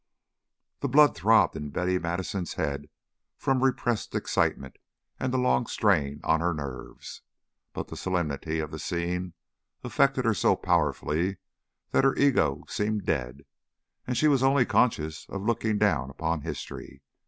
The blood throbbed in Betty Madison's head from repressed excitement and the long strain on her nerves. But the solemnity of the scene affected her so powerfully that her ego seemed dead, she only was conscious of looking down upon history.